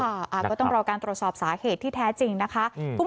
ก็ต้องรอการตรวจสอบสาเหตุที่แท้จริงนะคะ